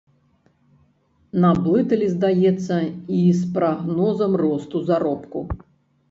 Наблыталі, здаецца, і з прагнозам росту заробку.